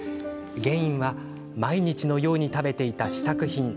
原因は毎日のように食べていた試作品。